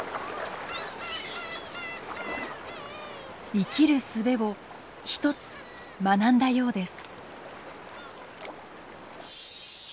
生きるすべを１つ学んだようです。